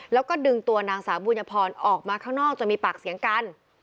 แล้วก็ดึงตัวนางสาวบุญพรออกมาข้างนอกจะมีปากเสียงกัน